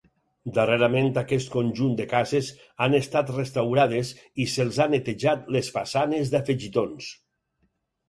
Darrerament aquest conjunt de cases han estat restaurades i se'ls ha netejat les façanes d'afegitons.